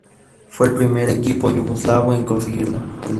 Fue el primer equipo yugoslavo en conseguirlo.